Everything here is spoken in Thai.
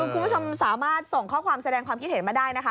คุณผู้ชมสามารถส่งข้อความแสดงความคิดเห็นมาได้นะคะ